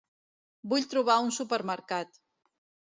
Vull trobar un supermercat.